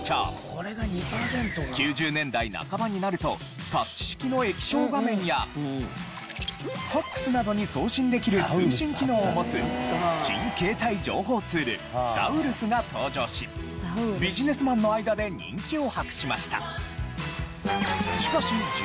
９０年代半ばになるとタッチ式の液晶画面やファクスなどに送信できる通信機能を持つ新携帯情報ツールＺＡＵＲＵＳが登場しビジネスマンの間で人気を博しました。